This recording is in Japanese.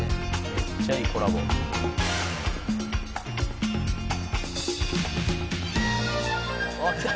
「めっちゃいいコラボ」「きた！」